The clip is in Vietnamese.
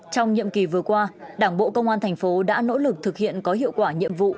trong nhiệm ký vừa qua đảng bộ công an tp hcm đã nỗ lực thực hiện có hiệu quả nhiệm vụ